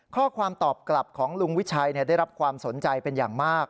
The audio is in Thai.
ข้อความตอบกลับของลุงวิชัยได้รับความสนใจเป็นอย่างมาก